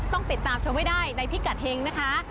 ต้องติดตามชมให้ได้ในพิกัดเฮงนะคะ